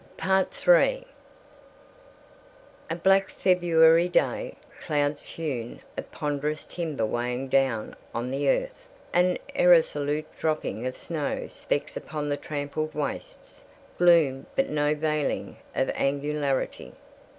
III A black February day. Clouds hewn of ponderous timber weighing down on the earth; an irresolute dropping of snow specks upon the trampled wastes. Gloom but no veiling of angularity.